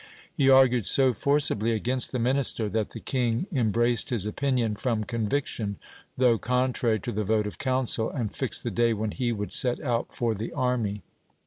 He argued so forcibly against the minister, that the king em braced his opinion from conviction, though contrary to the vote of council, and fixed the day when he would set out for the army.